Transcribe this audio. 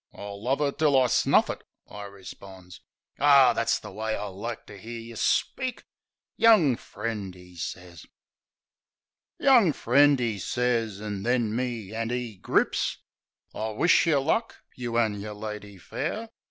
"I'll love 'er till I snuflE it," I responds. "Ah, that's the way I likes to 'ear yeh speak. Young friend," 'e sez. "Young friend," 'e sez — an' then me 'and 'e grips — "I wish't yeh luck, you an' yer lady fair.